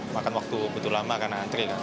makan waktu butuh lama karena antri kan